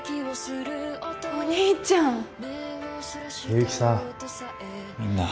お兄ちゃん。